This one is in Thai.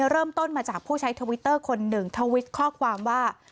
เริ่มต้นมาจากผู้ใช้ทวิตเตอร์คนหนึ่งทวิตข้อความว่า